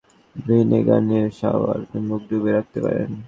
চাইলে পলিথিনের ব্যাগে একটু ভিনেগার নিয়ে শাওয়ারের মুখ ডুবিয়ে রাখতে পারেন।